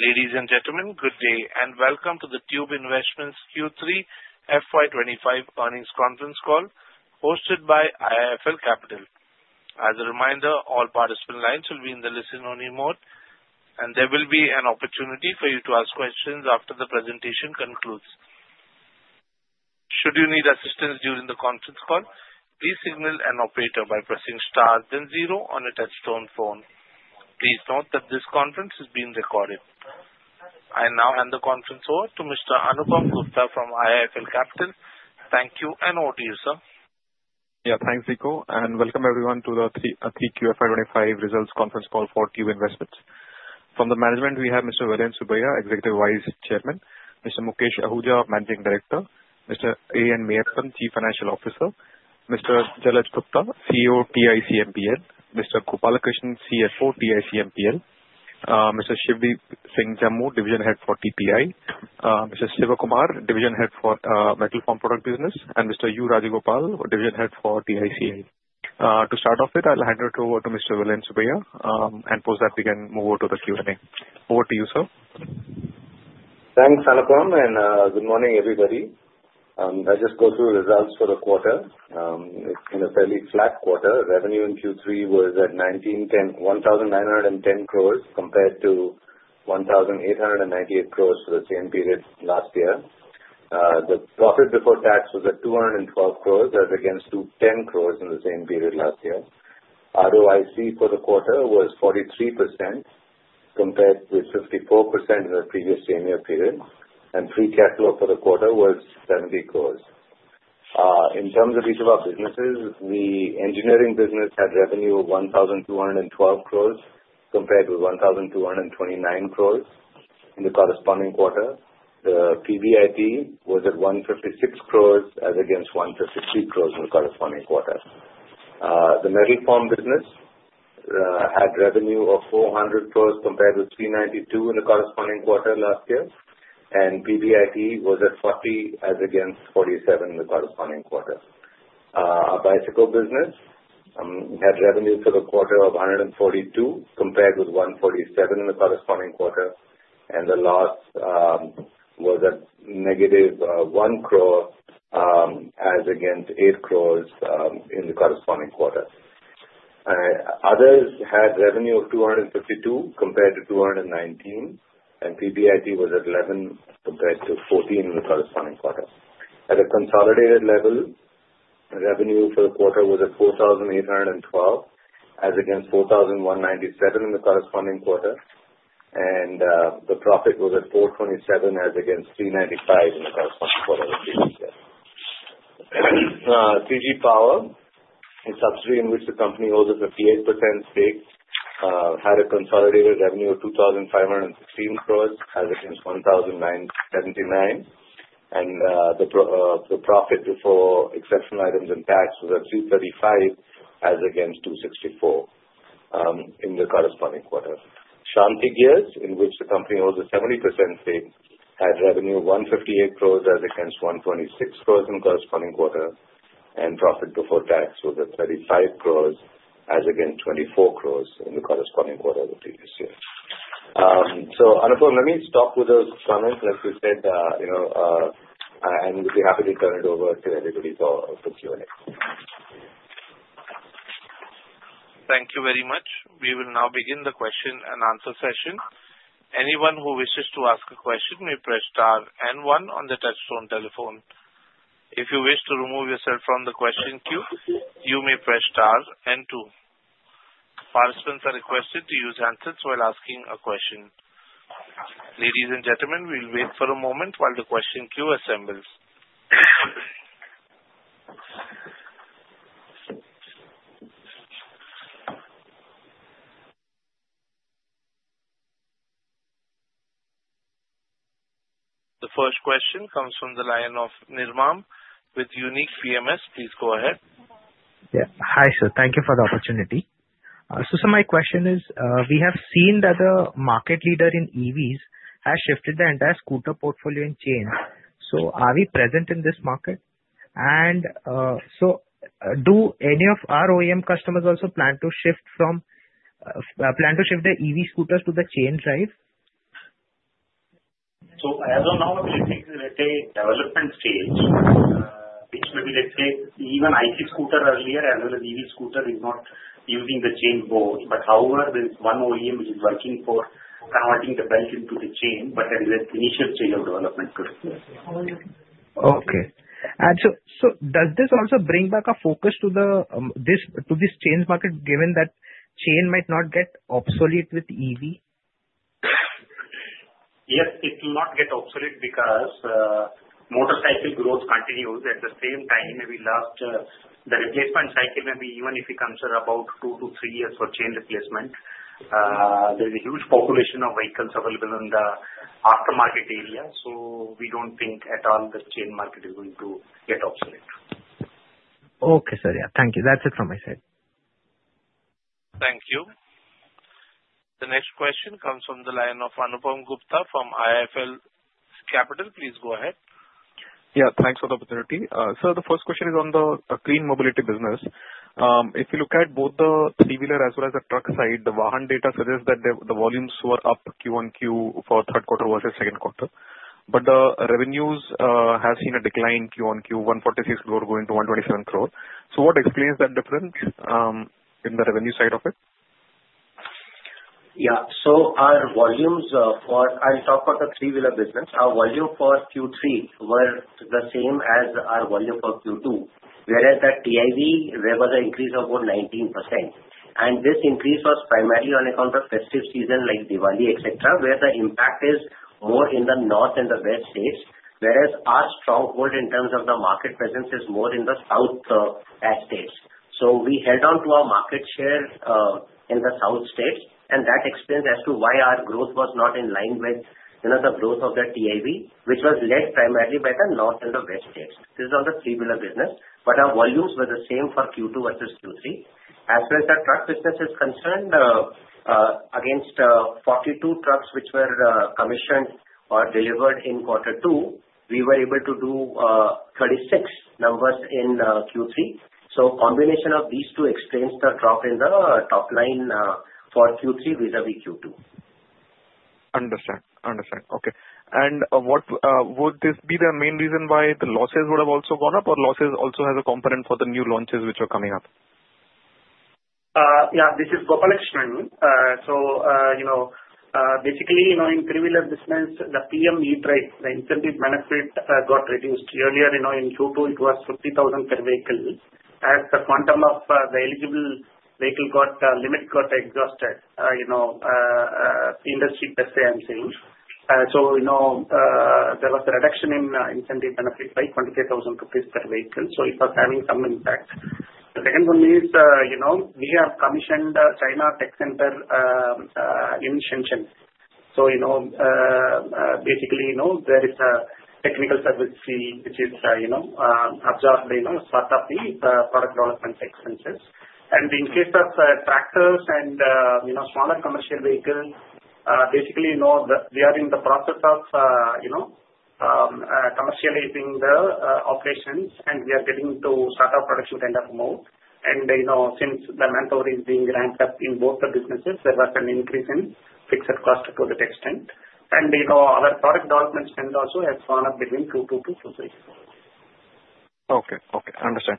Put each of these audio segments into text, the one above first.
Ladies and gentlemen, Good day and welcome to the Tube Investments Q3 FY25 earnings conference call hosted by IIFL Capital. As a reminder, all participant lines will be in the listen-only mode and there will be an opportunity for you to ask questions after the presentation concludes. Should you need assistance during the conference call, please signal an operator by pressing star then zero on a touch-tone phone. Please note that this conference is being recorded. I now hand the conference over to Mr. Anupam Gupta from IIFL Capital. Thank you, and over to you, sir. Yeah, thanks, Diksha. Welcome everyone to the Q3 FY25 results conference call for Tube Investments. From the management, we have Mr. Vellayan Subbiah, Executive Vice Chairman, Mr. Mukesh Ahuja, Managing Director, Mr. A. N. Meyyappan, Chief Financial Officer, Mr. Jalaj Gupta, CEO, TICMPL, Mr. K. R. Gopalakrishnan, CFO, TICMPL, Mr. Shivdeep Singh Jamwal, Division Head for TPI, Mr. Sivakumar, Division Head for Metal Formed Products Business, and Mr. Yuvaraj Gopalan, Division Head for TIC. To start off with, I'll hand it over to Mr. Vellayan Subbiah, and after that we can move over to the Q&A. Over to you, sir. Thanks Anupam and good morning everybody. I just go through results for the quarter. In a fairly flat quarter, revenue in Q3 was at 1,910 crores compared to 1,898 crores for the same period last year. The profit before tax was at 212 crores. That was against 210 crores in the same period last year. ROIC for the quarter was 43% compared with 54% in the previous 10-year period. And free cash flow for the quarter was. In terms of each of our businesses. The engineering business had revenue of 1,212 crores compared to 1,229 crores in the corresponding quarter. The PBIT was at 156 crores as against 150 crores in the corresponding quarter. The metal form business had revenue of 400 crores compared to 392 in the corresponding quarter last year and PBIT was at 40 as against 47 in the corresponding quarter. Our bicycle business had revenue for the quarter of 142 crores compared with 147 crores in the corresponding quarter, and the loss was at negative 1 crore as against 8 crores in the corresponding quarter. Others had revenue of 252 crores compared to 219 crores, and PBIT was at 11 crores compared to 14 crores in the corresponding quarter. At a consolidated level, revenue for the quarter was at 4,812 crores as against 4,197 crores in the corresponding quarter, and the profit was at 427 crores as against 395 crores in the corresponding quarter. CG Power, a subsidiary in which the company holds a 58% stake, had a consolidated revenue of 2,516 crores as against 1,979 crores, and the profit before exceptional items and tax was at 235 crores as against 264 crores in the corresponding quarter. Shanthi Gears, in which the company holds a 70% stake, had revenue of 158 crores as against 126 crores in the corresponding quarter. And profit before tax was at 35 crores as against 24 crores in the corresponding quarter of the previous year. So Anupam, let me stop with those comments like we said and we'd be happy to turn it over to everybody for Q&A. Thank you very much. We will now begin the question and answer session. Anyone who wishes to ask a question may press star one on the touch-tone telephone. If you wish to remove yourself from the question queue, you may press star two. Participants are requested to use handsets while asking a question. Ladies and gentlemen, we will wait for a moment while the question queue assembles. The first question comes from the line of Nirmam with Unique PMS. Please go ahead. Hi, sir. Thank you for the opportunity. So my question is we have seen that the market leader in EVs has shifted the entire scooter portfolio to chain. So are we present in this market? And so do any of our OEM customers also plan to shift the EV scooters to the chain drive? As of now, development stage, which may be, let's say, even IC scooter earlier as well as EV scooter is not using the chain drive. But however, there's one OEM which is working for converting the belt into the chain. But there is an initial stage of development. Okay, and so does this also bring back a focus to the China market given that China might not get obsolete at all with EV? Yes, it will not get obsolete because motorcycle growth continues at the same time. Maybe last the replacement cycle may be even if you consider about two to three years for chain replacement. There is a huge population of vehicles available in the aftermarket area. So we don't think at all the chain market is going to get obsolete. Okay. So yeah, thank you. That's it from my side. Thank you. The next question comes from the line of Anupam Gupta from IIFL Capital. Please go ahead. Yeah, thanks for the opportunity, sir. The first question is on the clean mobility business. If you look at both the three wheeler as well as the truck side, the VAHAN data suggests that the volumes were up QoQ for third quarter versus second quarter. But the revenues have seen a decline QoQ 146 crore going to 127 crore. So, what explains that difference in the revenue side of it? Yeah, so our volumes for. I'll talk about the three-wheeler business. Our volume for Q3 was the same as our volume for Q2. Whereas the TIV there was an increase of over 19%. This increase was primarily on account of festive season like Diwali, etc., where the impact is more in the north and the west states. Our stronghold in terms of the market presence is more in the south. We held on to our market share in the South States. That explains as to why our growth was not in line with the growth of the TIV which was led primarily by the north in the west states. This is all the three-wheeler business. But our volumes were the same for Q2 versus Q3 as well as the truck business is concerned against 42 trucks which were commissioned or delivered in quarter two. We were able to do 36 numbers in Q3. So combination of these two extends the drop in the top line for Q3 vis-à-vis Q2. Understand? Understand. Okay. And what would this be? The main reason why the losses would have also gone up or losses also has a component for the new launches which are coming up. Yeah, this is Gopalakrishnan. So you know, basically, you know, in three wheeler business, the PM E-DRIVE, the incentive benefit got reduced earlier. You know, in Q2 it was 50,000 per vehicle as the quantum of the eligible vehicle got limited got exhausted. You know, industry per se, I'm saying. So you know, there was a reduction in incentive benefit by 23,000 rupees per vehicle. So it was having some impact. The second one is, you know, we have commissioned China Tech Centre in Shenzhen. So you know, basically, you know, there is a technical service fee which is, you know, absorbed, you know, sort of the product development expenses and in case of tractors and you know, smaller commercial vehicles. Basically, you know that we are in the process of, you know, commercializing the operations and we are getting to startup production kind of more. You know, since the manpower is being ramped up in both the businesses, there was an increase in fixed cost to that extent. You know, other product development spend also has gone up between two, two to two, three. Okay, okay, understand.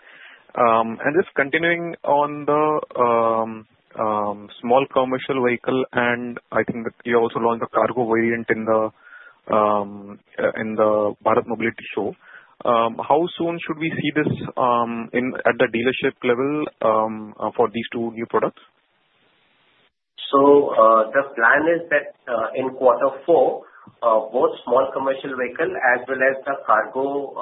And just continuing on the small commercial vehicle. And I think that you also launched a cargo variant in the Bharat Mobility show. How soon should we see this at the dealership level for these two new products? The plan is that in quarter four, both small commercial vehicle as well as the cargo,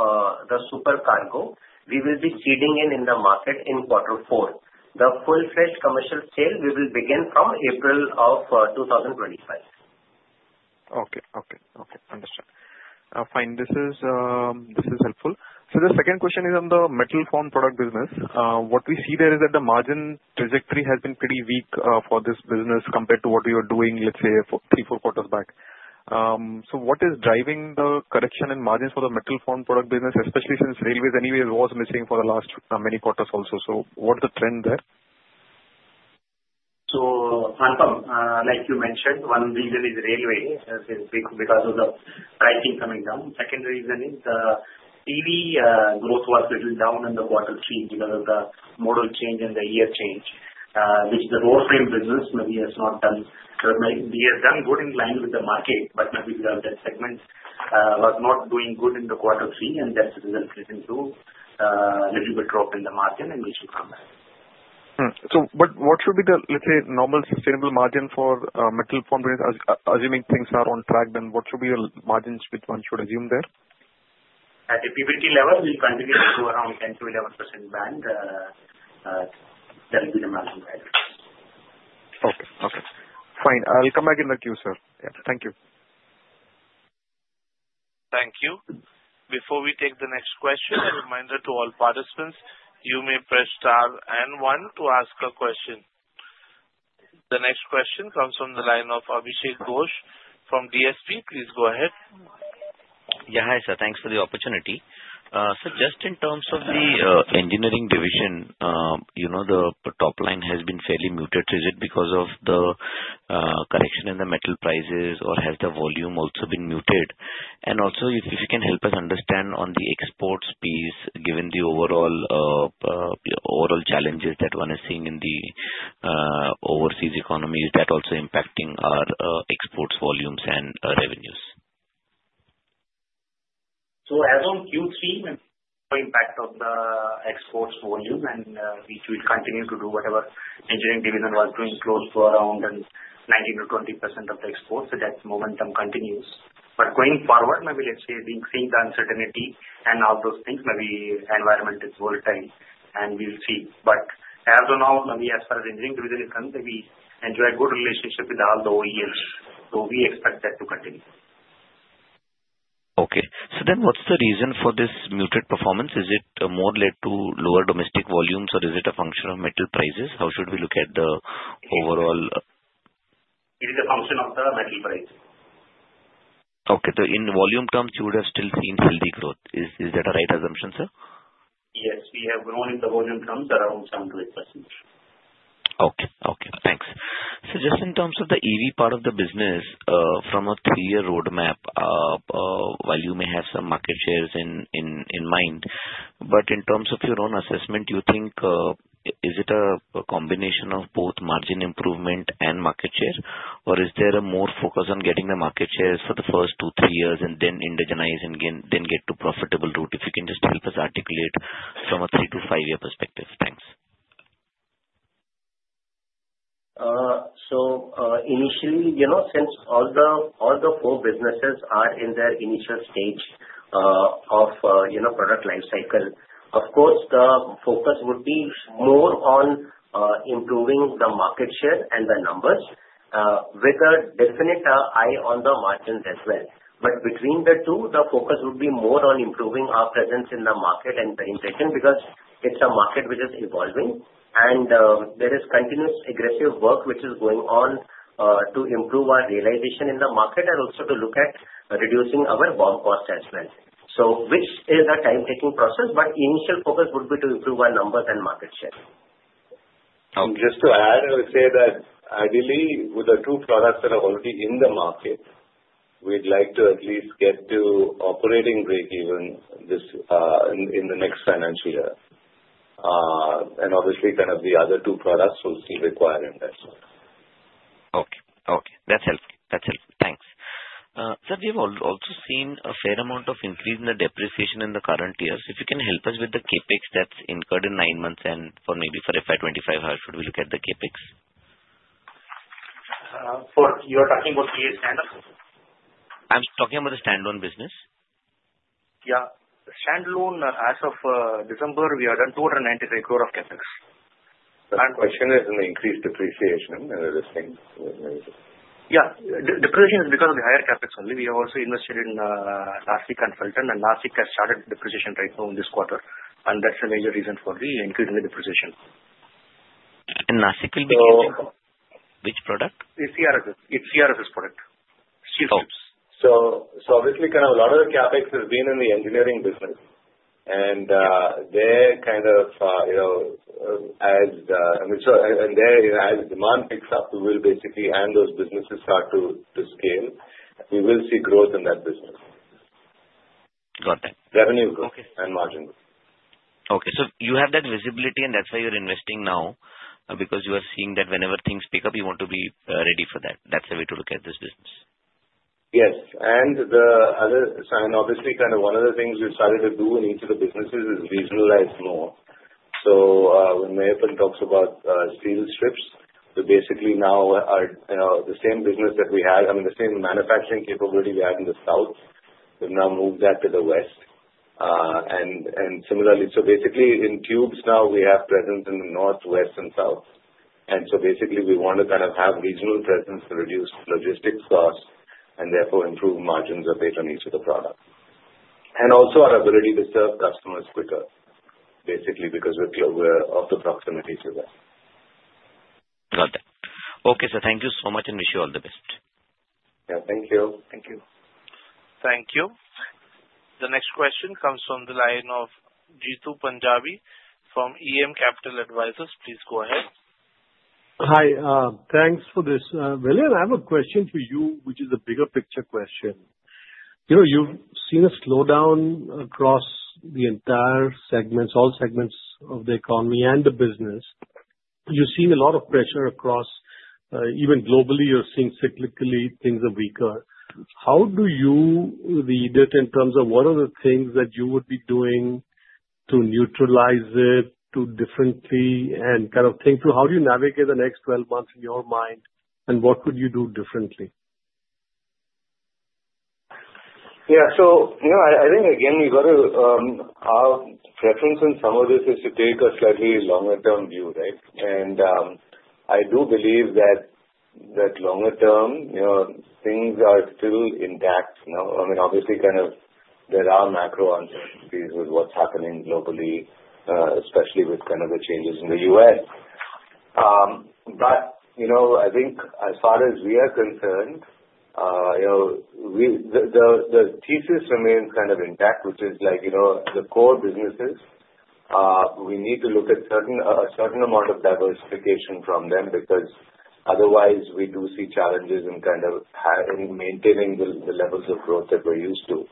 the super cargo, we will be seeding in the market in quarter four. The full-fledged commercial sale we will begin from April of 2025. Okay, understand. Fine. This is helpful. So the second question is on the metal formed product business. What we see there is that the margin trajectory has been pretty weak for this business compared to what we were doing, let's say three, four quarters back. So what is driving the correction in margins for the metal formed product business? Especially since railways anyways was missing for the last many quarters also. So what is the trend there? So like you mentioned, one reason is railway because of the pricing coming down. Second reason is the PV growth was little down in the quarter three because of the model change and the year change which the rear frame business maybe has not done. We have done good in line with the market but maybe that segment was not doing good in the quarter three and that resulted into a little bit drop in the margin and we should come back. So, but what should be the, let's say, normal sustainable margin for metal formed? Assuming things are on track, then what should be your margins? Which one should assume there? At the PBT level? We'll continue to go around 10% -11% band. There will be the margin. Okay, okay, fine. I'll come back in the queue, sir. Thank you. Thank you. Before we take the next question, a reminder to all participants, and you may press star and one to ask a question. The next question comes from the line of Abhishek Ghosh from DSP. Please go ahead. Yeah. Hi, sir. Thanks for the opportunity. So just in terms of the engineering division, you know the top line has been fairly muted. Is it because of the correction in the metal prices or has the volume also been muted? And also if you can help us understand on the exports piece, given the overall challenges that one is seeing in the overseas economy, is that also impacting our exports volumes and revenues? So as of Q3 impact of the exports volume and we continue to do whatever engineering division was doing close to around 19%-20% of the exports. So that momentum continues. But going forward maybe let's say seeing the uncertainty and all those things, maybe environment is volatile and we'll see. But as of now, as far as engineering division is concerned, we enjoy good relationship with all the OEMs. So, we expect that to continue. Okay, so then what's the reason for this muted performance? Is it more led to lower domestic volumes or is it a function of metal prices? How should we look at the overall? It is a function of the metal price. Okay, so in volume terms you would have still seen healthy growth. Is that a right assumption, sir? Yes, we have grown in the volume terms around 7%-8%. Okay. Okay, thanks. So just in terms of the EV part of the business from a three-year roadmap, while you may have some market shares in mind but in terms of your own assessment, you think is it a combination of both margin improvement and market share or is there a more focus on getting the market shares for the first two, three years and then indigenize and then get to profitable route? If you can just help us articulate from a three- to five-year perspective? Thanks. Initially, since all the four businesses are in their initial stage of product life cycle, of course the focus would be more on improving the market share and the numbers with a definite eye on the margins as well. But between the two the focus would be more on improving our presence in the market and pay attention because it's a market which is evolving and there is continuous aggressive work which is going on to improve our realization in the market and also to look at reducing our BOM cost as well, which is a time taking process. But initial focus would be to improve our numbers and market share. Just to add, I would say that ideally with the two products that are already in the market, we'd like to at least get to operating breakeven in the next financial year and obviously kind of the other two products will still require investment. Okay, okay, that's helpful. That's helpful. Thanks sir. We have also seen a fair amount of increase in the depreciation in the current years. If you can help us with the CapEx that's incurred in nine months and for maybe for FY25. How should we look at the CapEx? You are talking about? I'm talking about the standalone business. Yeah, standalone. As of December we are done. 293 crore of Capex. The question is in the increased depreciation. Yeah Depreciation is because of the higher CapEx only. We also invested in Nasi consultant, and Nashik has started depreciation right now in. This quarter and that's the major reason for the increase in the depreciation. Nashik will be which product? It's CRSS product. So obviously kind of a lot of the CapEx has been in the engineering business and they kind of and there as demand picks up, we will basically and those businesses start to scale, we will see growth in that business. Okay, got that. Revenue growth and margin. Okay. So you have that visibility and that's why you're investing now because you are seeing that whenever things pick up you want to be ready for that. That's the way to look at this business. Yes. And the other, and obviously, kind of one of the things we've started to do in each of the businesses is regionalize more. So when Meyyappan talks about steel strips, we basically now are the same business that we have. I mean the same manufacturing capability we have in the south, we've now moved that to the west and similarly, so basically in tubes now we have presence in the north, west and south. And so basically we want to kind of have regional presence to reduce logistics costs and therefore improve margins based on each of the products and also our ability to serve customers quicker basically because we're aware of the proximity to them. Got that. Okay, so thank you so much and wish you all the best. Thank you. Thank you. Thank you. The next question comes from the line of Jeetu Panjabi from EM Capital Advisors. Please go ahead. Hi. Thanks for this call-in. I have a question for you which is a bigger picture question. You've seen a slowdown across the entire segments, all segments of the economy and the business. You've seen a lot of pressure across. Even globally you're seeing cyclically things are weaker. How do you read it in terms of what are the things that you would be doing to neutralize it to differently and kind of think through how do you navigate the next 12 months in your mind and what could you do differently? Yeah, so I think again we got to our preference in some of this is to take a slightly longer term view. Right. And I do believe that longer term things are still intact. I mean obviously kind of there are macro uncertainties with what's happening locally, especially with kind of the changes in the U.S. But I think as far as we are concerned the thesis remains kind of intact. Which is like the core businesses, we need to look at a certain amount of diversification from them because otherwise we do see challenges and kind of maintaining the levels of growth that we're used to.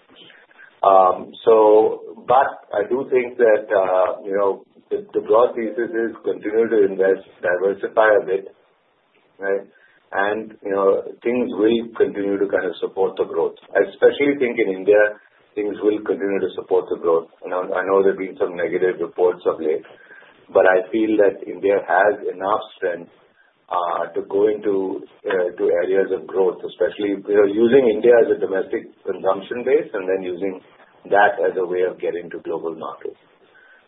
But I do think that the broad thesis is continue to invest, diversify a bit and things will continue to kind of support the growth. I especially think in India, things will continue to support the growth. I know there have been some negative reports of late, but I feel that India has enough strength to go into areas of growth, especially using India as a domestic consumption base and then using that as a way of getting to global market.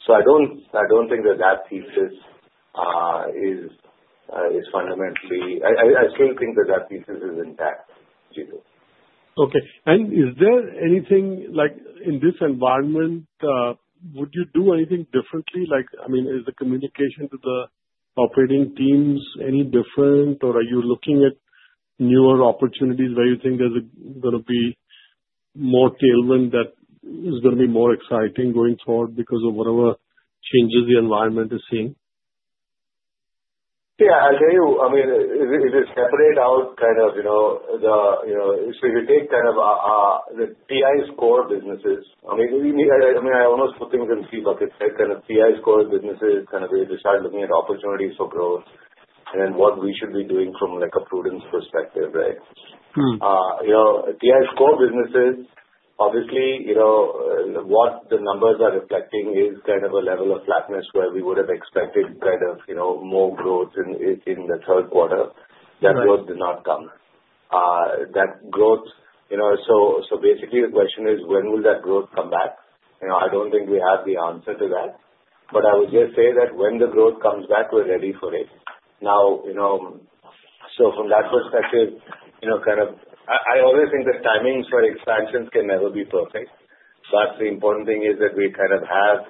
So I don't think that that thesis is fundamentally. I still think that that thesis is intact. Okay. And is there anything like, in this environment, would you do anything differently? Like, I mean, is the communication to the operating teams any different, or are you looking at newer opportunities where you think there's going to be more tailwind that is going to be more exciting going forward because of whatever changes the environment is seeing? Yeah, I'll tell you, I mean, if you separate out kind of, you know, the, you know, so if you take kind of the TI's core businesses, I mean, I almost put things in three buckets, like kind of TI's core businesses looking at opportunities for growth and what we should be doing from like a prudent perspective. Right. You know, TI's core businesses, obviously, you know, what the numbers are reflecting is kind of a level of flatness where we would have expected kind of, you know, more growth in the third quarter. That growth did not come. That growth, you know. So basically the question is, when will that growth come back? I don't think we have the answer to that, but I would just say that when the growth comes back, we're ready for it now. So from that perspective, kind of. I always think that timings for expansions can never be perfect, but the important thing is that we kind of have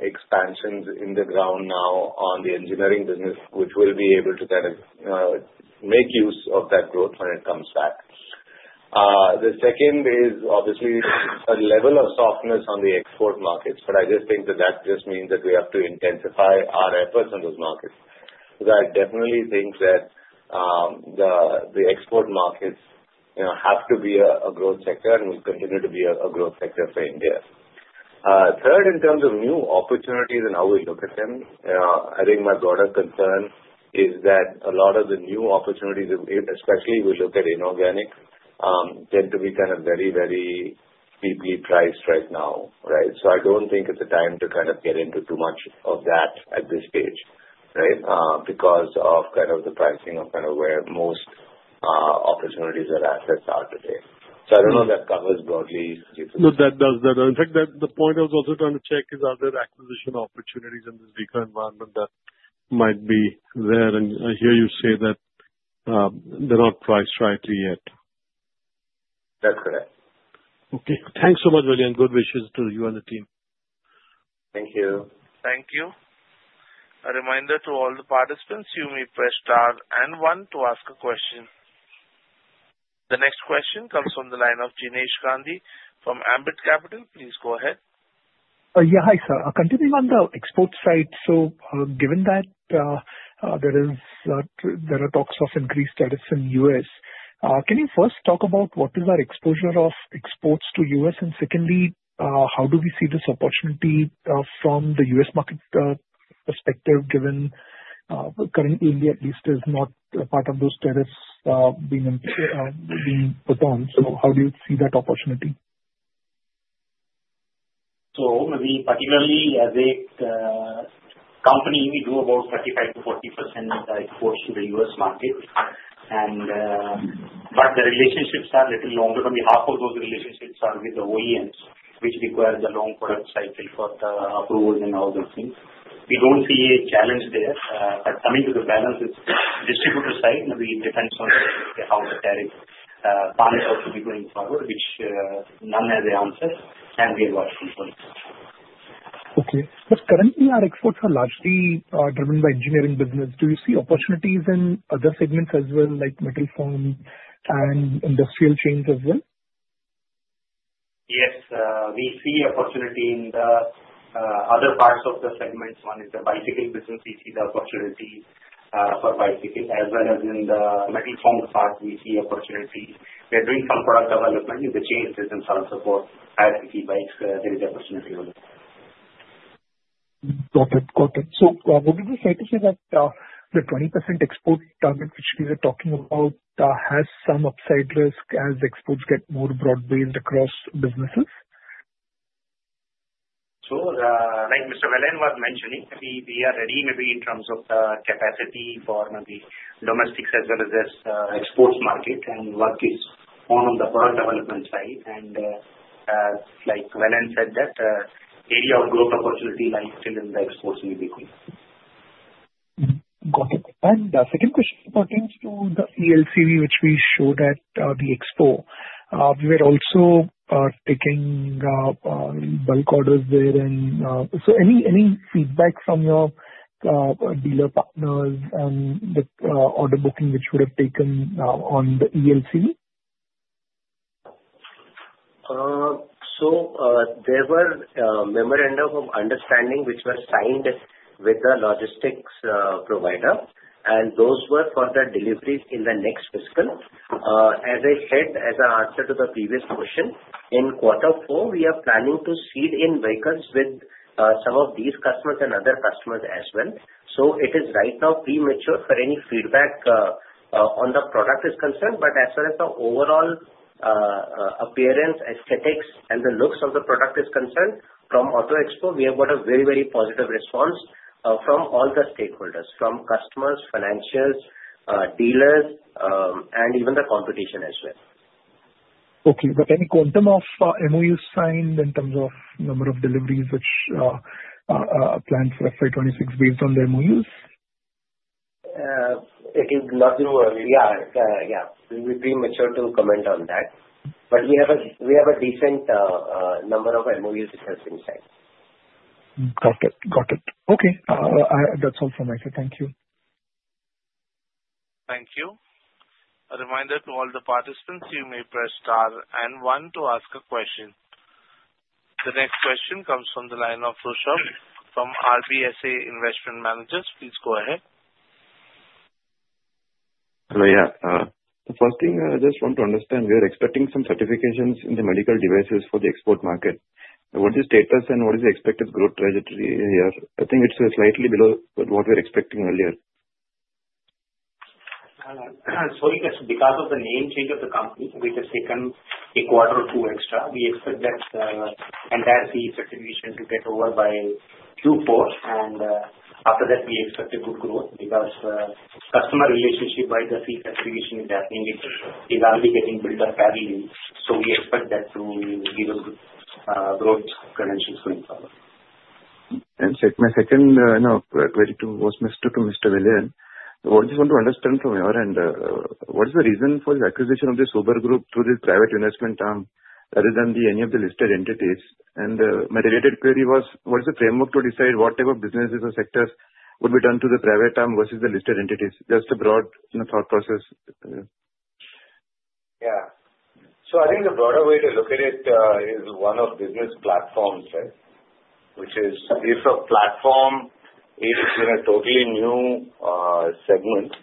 expansions in the ground now on the engineering business, which will be able to kind of make use of that growth when it comes back. The second is obviously a level of softness on the export markets. But I just think that that just means that we have to intensify our efforts in those markets. I definitely think that the export markets have to be a growth sector and will continue to be a growth sector for India. Third, in terms of new opportunities and how we look at them, I think my broader concern is that a lot of the new opportunities, especially we look at inorganic, tend to be kind of very, very steeply priced right now. Right. So I don't think it's the time to kind of get into too much of that at this stage. Right. Because of kind of the pricing of kind of where most opportunities or assets are today. So I don't know if that covers broadly. No, that does. In fact, the point I was also. Trying to check, are there acquisitions? Opportunities in this weaker environment that might be there, and I hear you say that they're not priced rightly yet. That's correct. Okay, thanks so much, Vellayan. Good wishes to you and the team. Thank you. Thank you. A reminder to all the participants, you may press star and one to ask a question. The next question comes from the line of Jinesh Gandhi from Ambit Capital. Please go ahead. Yeah, hi sir. Continuing on the export side. So given that there are talks of increased tariffs in the U.S., can you first talk about what is our exposure of exports to the U.S.? And secondly, how do we see this opportunity from the U.S. Market perspective given currently India at least is not part of those tariffs being put on. So how do you see that opportunity? So we particularly as a company, we do about 35%-40% exports to the U.S. market and but the relationships are a little longer. Only half of those relationships are with the OEMs which require the long product cycle for the approvals and all those things. We don't see a challenge there. But coming to the balance, it's distributor side we depend small how the tariff will be going forward, which none has. The answers can be a watchful point. Okay, but currently our exports are largely driven by engineering business. Do you see opportunities in other segments as well? Like metal form and industrial chains as well? Yes, we see opportunity in the other parts of the segments. One is the bicycle business. We see the opportunity for bicycle as well as in the metal formed part we see opportunities. We're doing some product development. If it changes in terms of E bikes there is opportunity. Got it, got it. So what would you say that the 20% export target which we were talking about has some upside risk as exports get more broad-based across businesses? So like Mr. Vellayan was mentioning, we are ready maybe in terms of the capacity for the domestic as well as exports market. And work is on the product development side. And like Vellayan said, that area of growth opportunity lies still in the exports. Got it. And second question pertains to the eLCV which we showed at the Expo. We were also taking bulk orders there. And so any feedback from your dealer partners and the order booking which would have taken on the eLCV. So there were memorandum of understanding which were signed with the logistics provider and those were for the deliveries in the next fiscal. As I said as an answer to the previous question in quarter four, we are planning for to seed in vehicles with some of these customers and other customers as well. So it is right now premature for any feedback on the product is concerned. But as far as the overall appearance, aesthetics and the looks of the product is concerned from Auto Expo we have got a very, very positive response from all the stakeholders from customers, financials, dealers and even the competition as well. Okay, but any quantum of MoU signed in terms of number of deliveries which are planned for FY26 based on their MoUs? It is not zero. Yeah, yeah. We'll be premature to comment on that, but we have a decent number of MoU which has been sent. Got it. Okay. That's all from me, sir. Thank you. Thank you. A reminder to all the participants, you may press star and one to ask a question. The next question comes from the line of Rushabh from RBSA Investment Managers. Please go ahead. Hello. Yeah, the first thing I just want to understand, we are expecting some certifications in the medical devices for the export market. What is the status and what is the expected growth trajectory here? I think it's slightly below but what we're expecting earlier. Sorry. Because of the name change of the company which has taken a quarter or two extra, we expect that entire CE certification to get over by Q4 and after that we expect a good growth because customer relationship by the seat distribution is happening, is already getting built up. So we expect that to give us. Growth credentials going forward and my second question was to Mr. Vellayan, just want to understand from your end what is the reason for the acquisition of the Hubergroup through this private investment arm other than any of the listed entities. And my related query was what is the framework to decide what type of businesses or sectors would be done to the private arm versus the listed entities? Just a broad thought process. Yeah. So I think the broader way to look at it is one of business platforms. Right. Which is if a platform is in a totally new segment,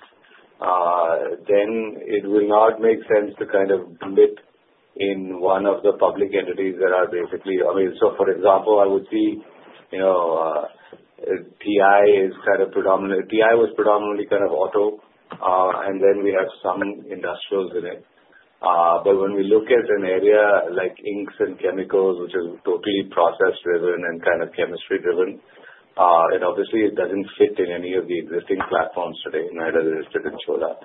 then it will not make sense to kind of in one of the public entities that are basically. I mean. So for example I would see TI is kind of predominantly. TI was predominantly kind of automotive and then we have some industrials in it. But when we look at an area like Inks and Chemicals, which is totally process driven and kind of chemistry driven, it obviously doesn't fit in any of the existing platforms today neither the listed entity showed that.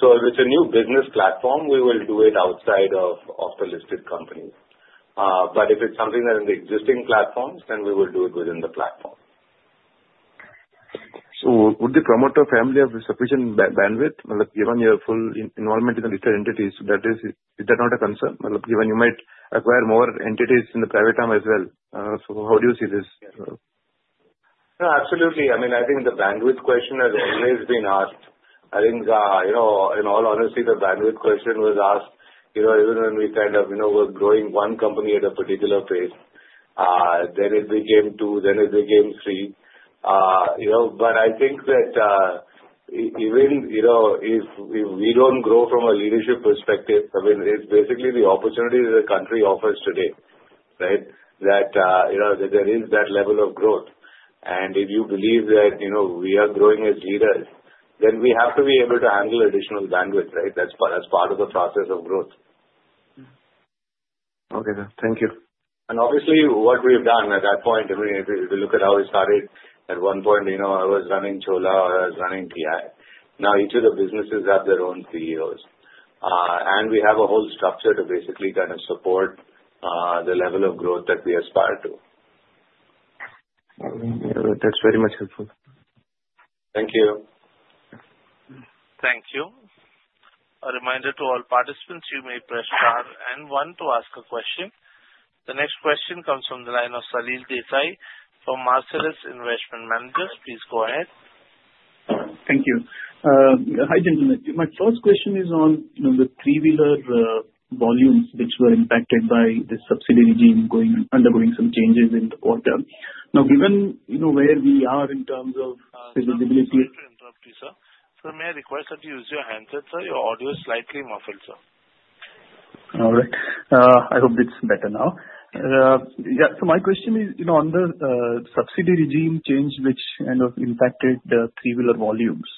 So if it's a new business platform we will do it outside of the listed company. But if it's something that in the existing platforms then we will do it within the platform. So would the promoter have sufficient bandwidth given your full involvement in the retail entities? That is. Is that not a concern given you might acquire more entities in the pipeline as well. So how do you see this? Absolutely. I mean, I think the bandwidth question has always been asked. I think, you know, in all honesty, the bandwidth question was asked, you know, even when we kind of, you know, were growing one company at a particular pace, then it became two, then it became three. But I think that even if we don't grow from a leadership perspective, I mean, it's basically the opportunity that the country offers today. Right. That there is that level of growth. And if you believe that we are growing as leaders, then we have to be able to handle additional bandwidth. Right. As part of the process of growth. Okay, thank you. Obviously what we've done at that point, if you look at how we started, at one point, you know, I was running Chola or I was running TI. Now each of the businesses have their own CEOs and we have a whole structure to basically kind of support the level of growth that we aspire to. That's very much helpful. Thank you. Thank you. A reminder to all participants, you may press star and one to ask a question. The next question comes from the line of Salil Desai from Marcellus Investment Managers. Please go ahead. Thank you. Hi gentlemen. My first question is on the three wheeler volumes which were impacted by the subsidy regime undergoing some changes in the quarter. Now, given where we are in terms of visibility. Sir, may I request that you use your handset, sir. Your audio is slightly muffled, sir. All right, I hope it's better now. So my question is on the subsidy regime change which kind of impacted three wheeler volumes.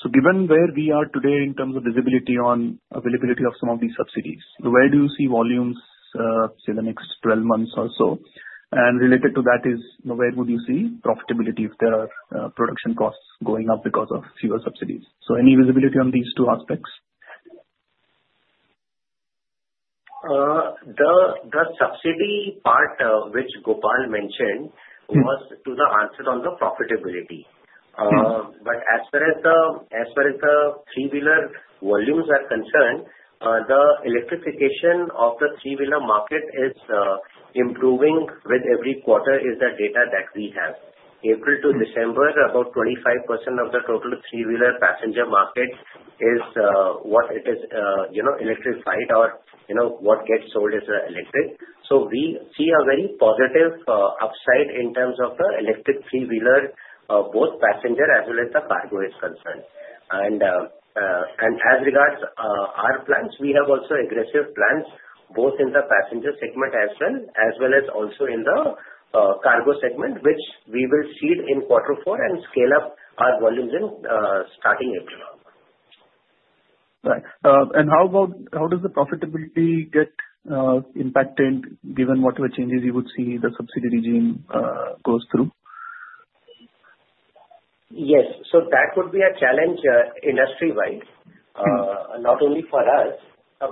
So given where we are today in terms of visibility on availability of some of these subsidies, where do you see volumes, say the next 12 months or so? And related to that is where would you see profitability if there are production costs going up because of fewer subsidies? So any visibility on these two aspects? The subsidy part which Gopal mentioned was to the answer on the profitability. But as far as the three wheeler volumes are concerned, the electrification of the three wheeler market is improving with every quarter is the data that we have. April to December, about 25% of the total three wheeler passenger market is what it is, you know, electrified or you know, what gets sold as electric. So we see a very positive upside in terms of the electric three wheeler, both passenger as well as the cargo is concerned. And as regards our plans, we have also aggressive plans both in the passenger segment as well as in the cargo segment which we will seed in quarter four and scale up our volumes in starting April. How does the profitability get impacted given whatever changes you would see the subsidy regime goes through? Yes. So that would be a challenge industry-wide, not only for us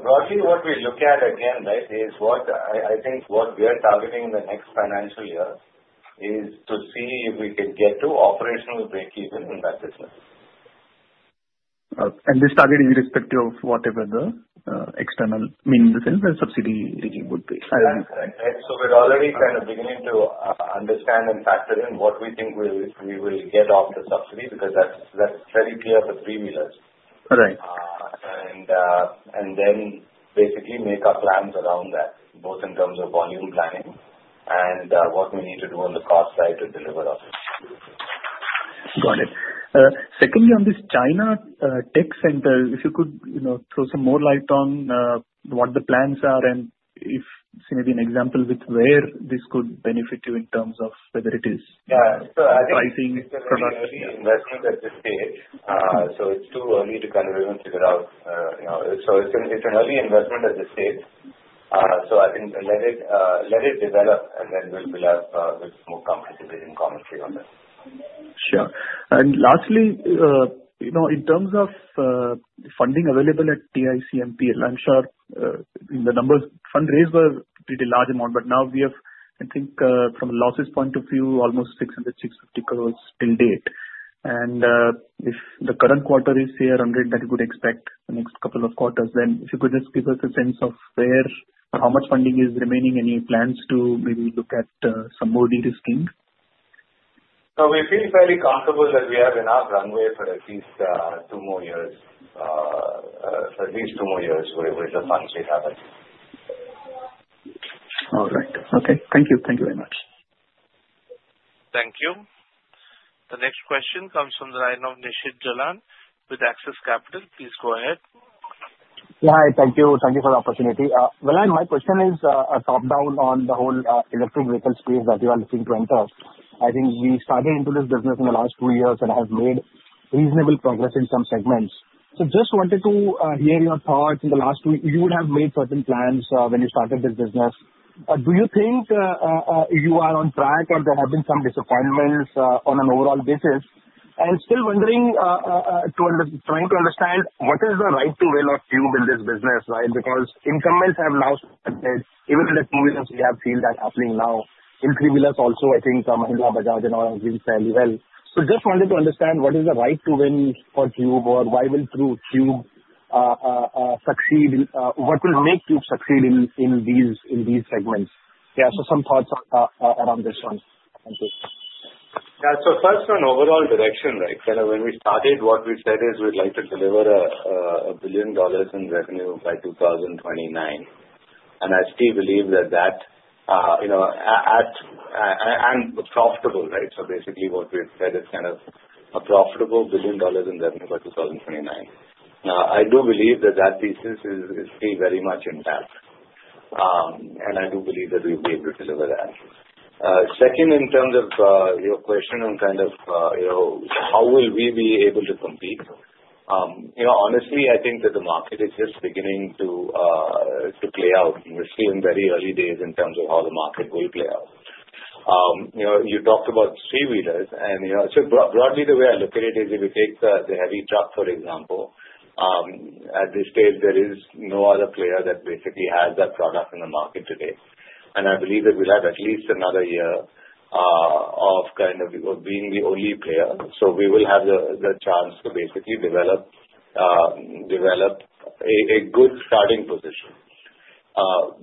broadly what. Right. What I think we are targeting in the next financial year is to see if we can get to operational break-even in that business. And this target, irrespective of whatever the external means in the sense that subsidy would be. So, we're already kind of beginning to understand and factor in what we think we will get off the subsidy because that's very clear for three wheelers and then basically make our plans around that both in terms of volume planning and what we need to do on the cost side to deliver. Got it. Secondly, on this China Tech Centre, if you could throw some more light on what the plans are and if maybe an example with where this could benefit you in terms of whether it is. Pricing product at this stage. So it's too early to kind of even figure out. So it's an early investment at this stage. So I think let it develop and then we'll have more commentary on that. Sure. And lastly, in terms of funding available at TICMPL, I'm sure the fundraising numbers were a pretty large amount, but now we have, I think, from a loss point of view, almost 600-650 crores till date, and if the current quarter is a 100 that you could expect the next couple of quarters. Then, if you could just give us a sense of where or how much funding is remaining. Any plans to maybe look at some more de-risking? We feel very comfortable that we have enough runway for at least two more years. At least two more years with the funds we have it. All right. Okay. Thank you. Thank you very much. Thank you. The next question comes from the line of Nishit Jalan with Axis Capital. Please go ahead. Hi. Thank you. Thank you for the opportunity. My question is a top down on the whole electric vehicle space that you are looking to enter. I think we started into this business in the last two years and have made reasonable progress in some segments. So just wanted to hear your thoughts. In the last two you would have made certain plans when you started this business. Do you think you are on track or? There have been some disappointments on an overall basis and still wondering, trying to understand what is the right to win or cube in this business. Right. Because incumbents have now started even in the two-wheelers. We have seen that happening now in three-wheelers also. I think Mahindra, Bajaj and all have been fairly well. So just wanted to understand what is the right to win for Tube or why will through tube succeed? What will make you succeed in these segments? Yeah. So some thoughts around this one. Thank you. So first on overall direction, right? When we started what we said is we'd like to deliver $1 billion in revenue by 2029. And I still believe that that, you know, and profitable. Right. So basically what we've said is kind of a profitable $1 billion in revenue by 2029. I do believe that that thesis is very much intact and I do believe that we'll be able to deliver that. Second, in terms of your question on kind of how will we be able to compete, honestly I think that the market is just beginning to play out. We're still in very early days in terms of how the market will play out. You talked about three wheelers. Broadly. The way I look at it is if you take the heavy truck for example, at this stage there is no other player that basically has that product in the market today, and I believe that we'll have at least another year of being the only player, so we will have the chance to basically develop a good starting position,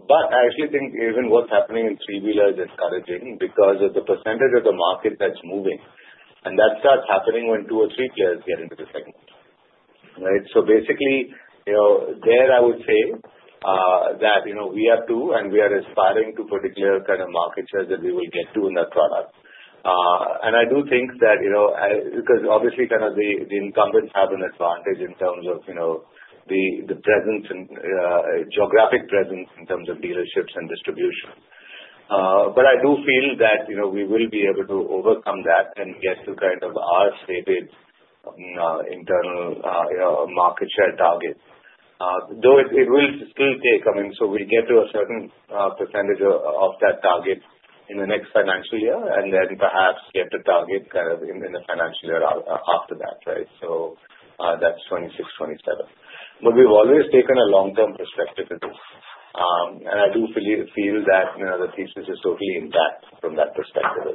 but I actually think even what's happening in three wheeler is encouraging because of the percentage of the market that's moving and that starts happening when two or three players get into the segment, so basically there I would that we are too and we are aspiring to particular kind of market share that we will get to in that product, and I do think that because obviously kind of the incumbents have an advantage in terms of the presence and geographic presence in terms of dealerships and distribution. But I do feel that we will be able to overcome that and get to kind of our stated internal market share target, though it will still take. I mean, so we get to a certain percentage of that target in the next financial year and then perhaps get the target kind of in the financial year after that. Right. So that's 26, 27. But we've always taken a long-term perspective to this and I do feel that the thesis is totally intact from that perspective.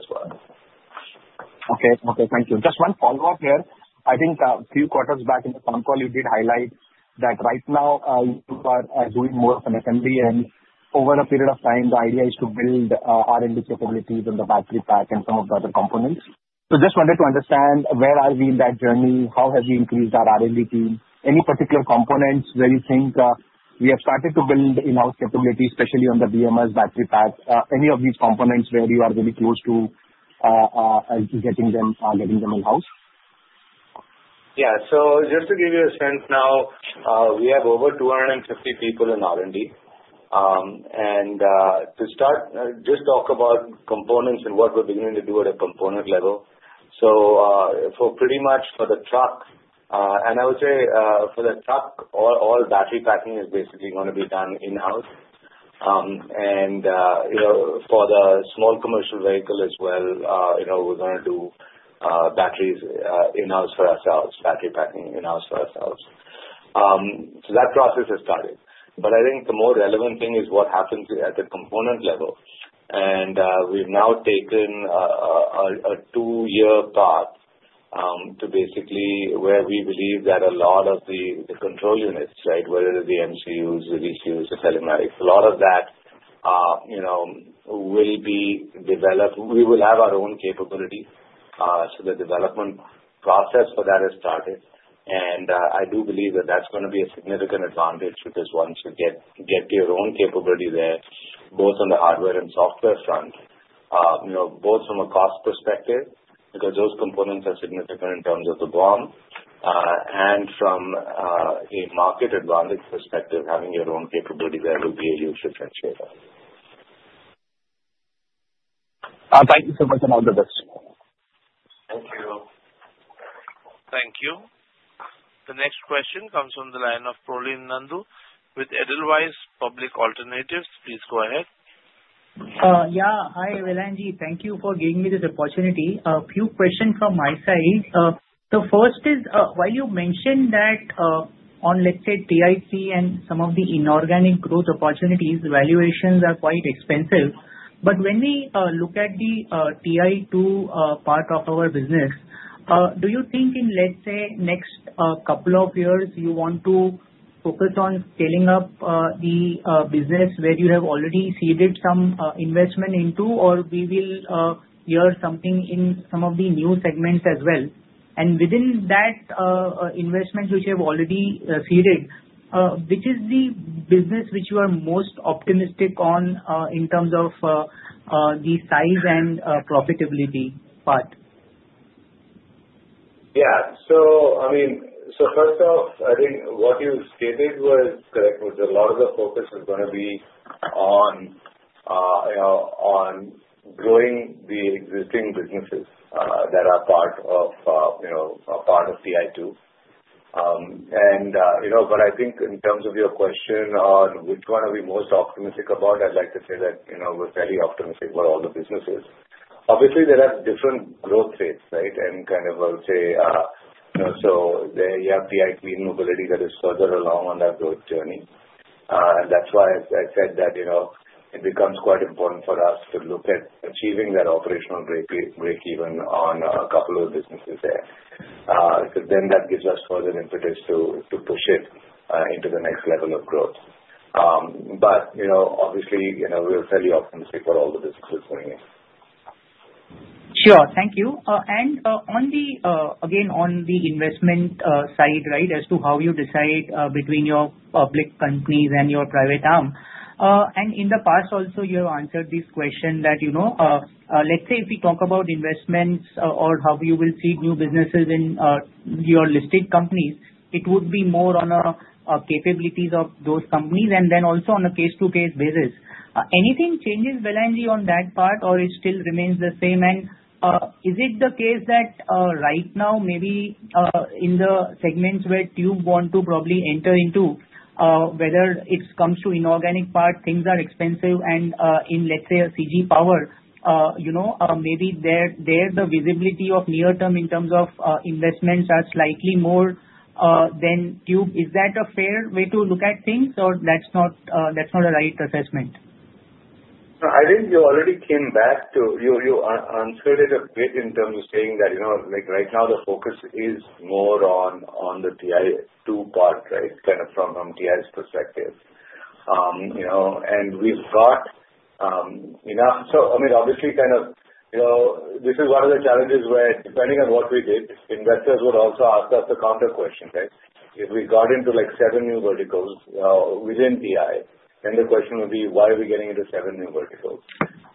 Okay. Okay, thank you. Just one follow-up here. I think a few quarters back in the phone call you did highlight that right now we are doing more of an assembly and over a period of time the idea is to build R&D capabilities in the battery pack and some of the other components. So just wanted to understand where are we in that journey? How have we increased our R&D team? Any particular components where you think we have started to build in-house capabilities, especially on the BMS, battery pack? Any of these components where you are really close to getting them in-house? Yeah. So just to give you a sense, now we have over 250 people in R&D, and to start, just talk about components and what we're beginning to do at a component level. So pretty much for the truck, and I would say for the truck, all battery packing is basically going to be done in-house. And for the small commercial vehicle as well, we're going to do batteries in-house for ourselves, battery packing in-house for ourselves. So that process has started, but I think the more relevant thing is what happens at the component level. And we've now taken a two-year path to basically where we believe that a lot of the control units, whether the MCUs, the VCUs, the telematics, a lot of that will be developed. We will have our own capabilities. So the development process for that has started and I do believe that that's going to be a significant advantage because once you get your own capability there, both on the hardware and software front, both from a cost perspective, because those components are significant in terms of the BOM and from a market advantage perspective, having your own capability, there will be a huge differentiator. Thank you so much and all the best. Thank you. Thank you. The next question comes from the line of Prolin Nandu with Edelweiss Public Alternatives. Please go ahead. Yeah. Hi Vellayan, thank you for giving me this opportunity. A few questions from my side. The first is while you mentioned that on, let's say TIC and some of the inorganic growth opportunities, valuations are quite expensive. But when we look at the TI2 part of our business, do you think in, let's say next couple of years you want to focus on scaling up the business where you have already seeded some investment into or we will hear something in some of the new segments as well. And within that investment which you have already seeded, which is the business which you are most optimistic on in terms of the size and profitability part. Yeah, so I mean, so first off, I think what you stated was correct, that a lot of the focus is going to be on growing the existing businesses that are part of, you know, part of TI2 and you know, but I think in terms of your question on which one are we most optimistic about? I'd like to say that, you know, we're fairly optimistic for all the businesses. Obviously there are different growth rates. Right. And kind of, I would say so you have the TI mobility that is further along on that growth journey. And that's why I said that, you know, it becomes quite important for us to look at achieving that operational breakeven on a couple of businesses there because then that gives us further impetus to push it into the next level of growth. But obviously we're fairly optimistic for all the businesses going in. Sure. Thank you. And again, on the investment side, as to how you decide between your public companies and your private arm and in the past also you have answered this question that let's say if we talk about investments or how you will see new businesses in your listed companies, it would be more on capabilities of those companies. And then also on a case to case basis, anything changes Vellayan on that part or it still remains the same. And is it the case that right now maybe in the segments where you want to probably enter into, whether it comes to inorganic part, things are expensive and in let's say a CG Power maybe there the visibility of near term in terms of investments are slightly more than Tube. Is that a fair way to look at things or that's not a right assessment? I think you already came back to. You answered it a bit in terms of saying that right now the focus is more on the TI2 part from TI perspective, and we've got so I mean obviously kind of this is one of the challenges where depending on what we did, investors would also ask us the counter question. If we got into like seven new verticals within TI, then the question would be why are we getting into seven new verticals?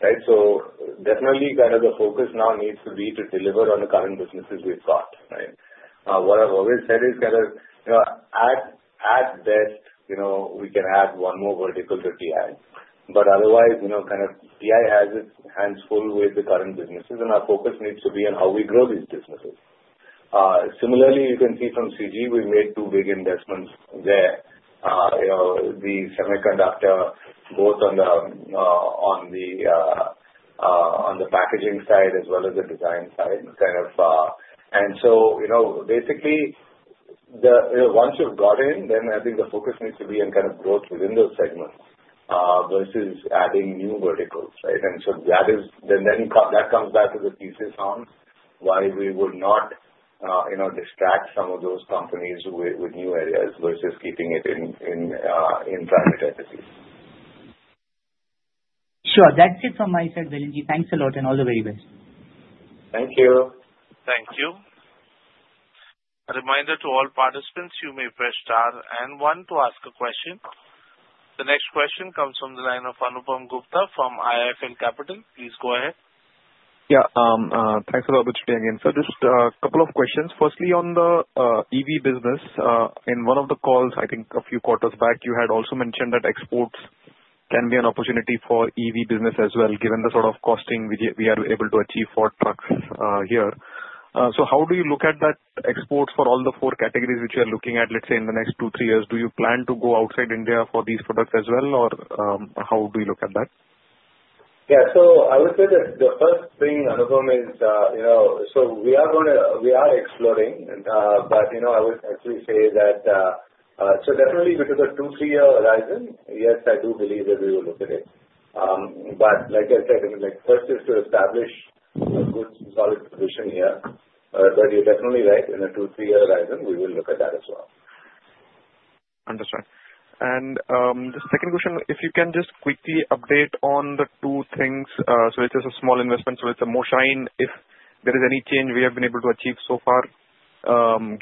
Right. So definitely kind of the focus now needs to be to deliver on the current businesses we've got. What I've always said is kind of at best we can add one more vertical that we had. But otherwise kind of TI has its hands full with the current businesses and our focus needs to be on how we grow these businesses. Similarly, you can see from CG, we made two big investments there, the semiconductor, both on the packaging side as well as the design side. And so basically once you've got in, then I think the focus needs to be on kind of growth within those segments versus adding new verticals. And so then that comes back to the thesis on why we would not distract some of those companies with new areas versus keeping it in private entities. Sure. That's it from my side. Vellayan, thanks a lot and all the very best. Thank you. Thank you. A reminder to all participants, you may press star and one to ask a question. The next question comes from the line of Anupam Gupta from IIFL Capital. Please go ahead. Yeah, thanks for the opportunity again. So just a couple of questions. Firstly, on the EV business, in one of the calls I think a few quarters back you had also mentioned that exports can be an opportunity for EV business as well given the sort of costing we are able to achieve for trucks here. So how do you look at that exports for all the four categories which you are looking at, let's say in the next two, three years, do you plan to go outside India for these products as well or how do you look at that? Yeah, so I would say that the first thing, Anupam, is so we are exploring, but I would actually say that so definitely because of two- to three-year horizon. Yes, I do believe that we will look at it, but like I said, first is to establish a good solid position here. But you're definitely right. In a two- to three-year horizon, we will look at that as well. Understood. And the second question, if you can just quickly update on the two things. So it is a small investment. So it's a Moshine. If there is any change we have been able to achieve so far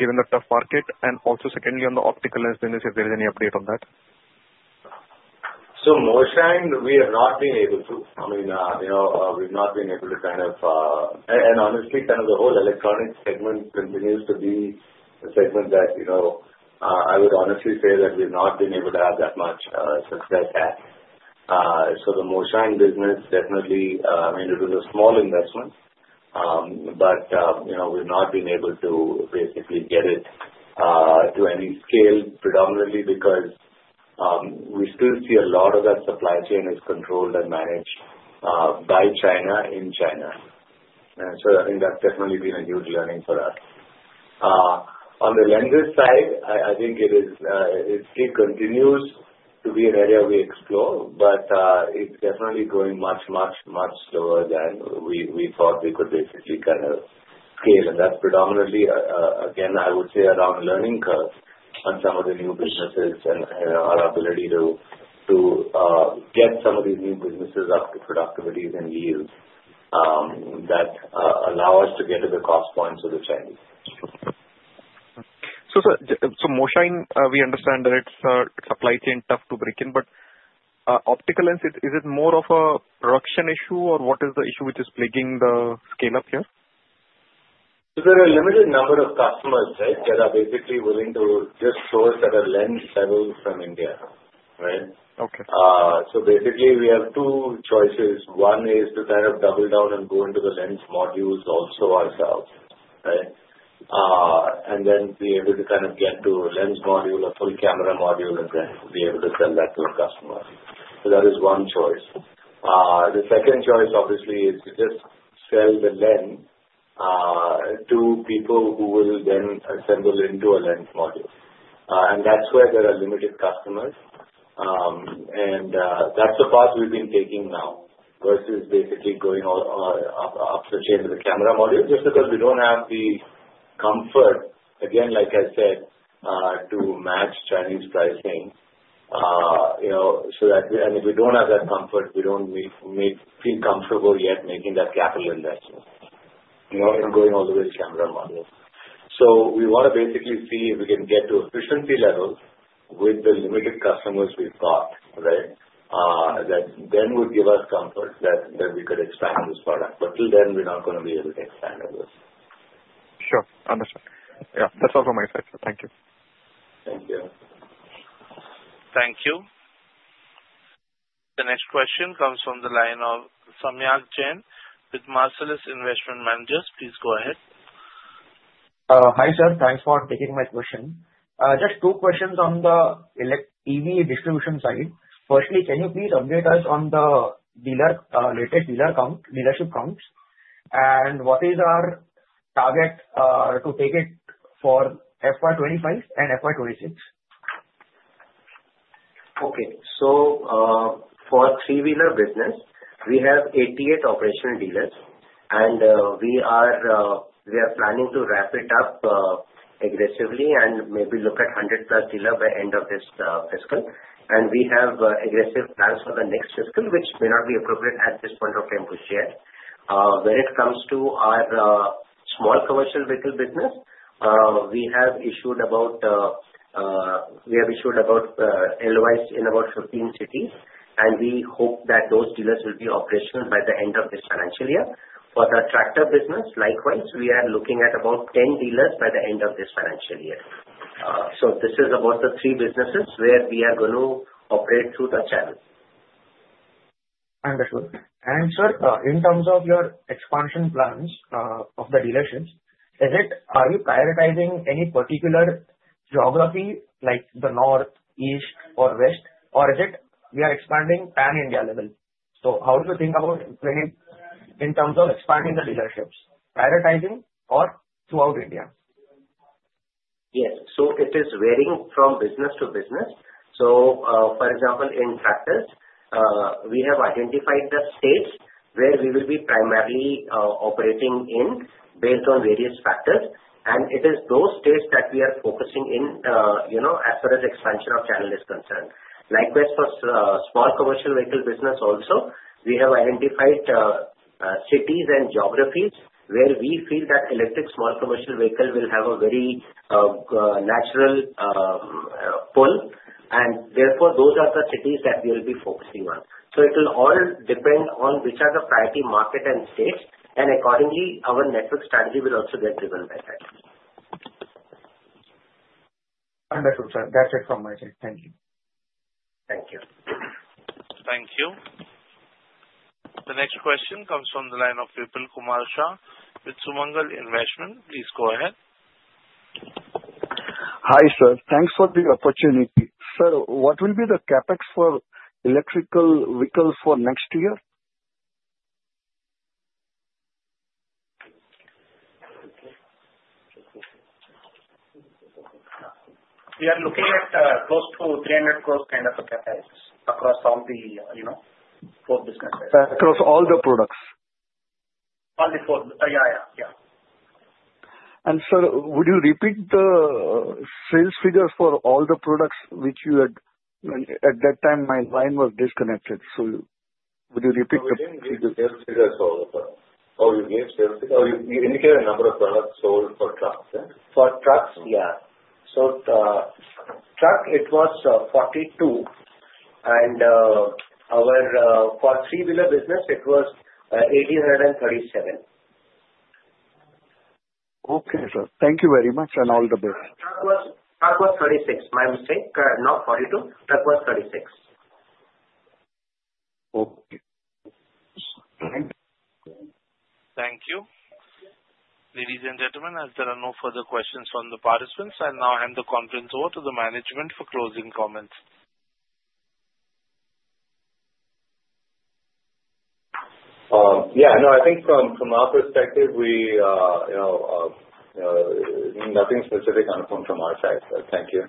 given the tough market. And also, secondly, on the optical lens business, if there is any update on that. Moshine, we have not been able to. I mean we've not been able to kind of and honestly kind of the whole electronics segment continues to be a segment that, you know, I would honestly say that we've not been able to have that much success. So the Moshine business, definitely it was a small investment but we've not been able to basically get it to any scale predominantly because we still see a lot of that supply chain is controlled and managed by China, in China. So I think that's definitely been a huge learning for us on the electronics side I think it is, it still continues to be an area we explore but it's definitely going much, much, much slower than we thought we could basically kind of scale. That's predominantly again I would say around learning curve on some of the new businesses and our ability to get some of these new businesses up to productivities and yields that allow us to get to the cost points. So Moshine, we understand that it's supply chain tough to break in. But optical lens, is it more of a production issue or what is the issue which is plaguing the scale? Up here there are a limited number. Of customers that are basically willing to just source at a lens level from India. Right. Okay. So basically we have two choices. One is to kind of double down and go into the lens modules also ourselves and then be able to kind of get to a lens module, a full camera module and then be able to send that to a customer. So that is one choice. The second choice obviously is to just sell the lens to people who will then assemble into a lens module. And that's where there are limited customers and that's the path we've been taking now versus basically going up the chain to the camera module just because we don't have the comfort again like I said, to match Chinese pricing. And if we don't have that comfort we don't feel comfortable yet making that capital investment and going all the way to camera module. So we want to basically see if we can get to efficiency level with the limited customers we've got. Right. That then would give us comfort that we could expand this product. But till then we're not going to be able to expand on this. Sure. Yeah. That's all from my side. Thank you. Thank you. Thank you. The next question comes from the line of Samyak Jain with Marcellus Investment Managers. Please go ahead. Hi sir, thanks for taking my question. Just two questions on the EV distribution side. Firstly, can you please update us on? The dealer related dealership counts and what is our target to take it for FY25 and FY26? Okay, so for three-wheeler business we have 88 operational dealers, and we are planning to ramp it up aggressively and maybe look at 100-plus dealers by end of this fiscal. We have aggressive plans for the next fiscal which may not be appropriate at this point of time to share. When it comes to our small commercial vehicle business we have issued about LOIs in our shortlisted cities, and we hope that those dealers will be operational by the end of this financial year. For the tractor business, likewise we are looking at about 10 dealers by the end of this financial year. This is about the three businesses where we are going to operate through the channel. Understood. And sir, in terms of your expansion plans of the dealerships, are you prioritizing any particular geography like the north, east or west or is it we are expanding pan India level. So how do you think about in terms of expanding the dealerships prioritizing or throughout India? Yes. So, it is varying from business to business. So, for example in practice we have identified the states where we will be primarily operating in based on various factors and it is those states that we are focusing in as far as expansion of channel is concerned. Likewise for small commercial vehicle business also we have identified cities and geographies where we feel that Electric Small Commercial Vehicle will have a very natural pull and therefore those are the cities that we will be focusing on. So, it will all depend on which are the priority market and states, and accordingly our network strategy will also get driven by that. Understood, sir. That's it from my side. Thank you. Thank you. Thank you. The next question comes from the line of Vipul Kumar Shah with Sumangal Investment. Please go ahead. Hi, sir. Thanks for the opportunity, sir. What will be the CapEx for electric vehicle for next year? We are looking at close to 300 crores kind of a capacity across all the, you know, four businesses. Across all the products. All the four. Yeah, yeah, yeah. Sir, would you repeat the sales figures for all the products which you had at that time? My line was disconnected, so would you repeat? You indicated a number of products sold for trucks. For trucks. Yeah. So, truck it was 42 and our. For three-wheeler business it was 1837. Okay, sir. Thank you very much and all the best. Truck was 36. My mistake. Not 42, Truck was 36. Thank you, ladies and gentlemen, as there are no further questions from the participants, I'll now hand the conference over to the management for closing comments. Yeah, no, I think from our perspective we have nothing specific from our side, thank you.